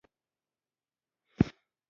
د کلام علم یو له عمده او پخوانیو علومو دی.